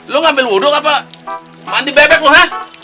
lo ngambil wudhu apa mandi bebek lo ha